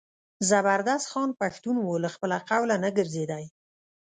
زبردست خان پښتون و له خپله قوله نه ګرځېدی.